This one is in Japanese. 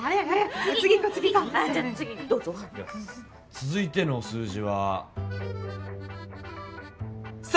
続いての数字は３！